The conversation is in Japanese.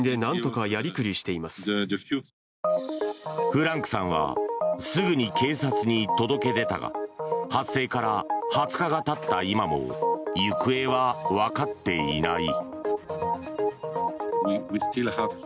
フランクさんはすぐに警察に届け出たが発生から２０日がたった今も行方はわかっていない。